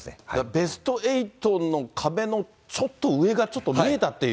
ベスト８の壁のちょっと上が、ちょっと見えたっていう。